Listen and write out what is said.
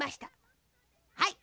はい。